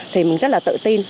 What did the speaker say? thì mình rất là tự tin